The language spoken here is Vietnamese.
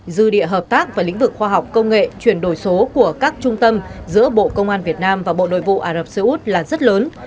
dư địa hợp tác và lĩnh vực khoa học công nghệ chuyển đổi số của các trung tâm giữa bộ công an việt nam và bộ nội vụ ả rập xê út là rất lớn